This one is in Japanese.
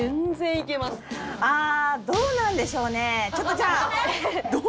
「どうなんでしょうねえ」。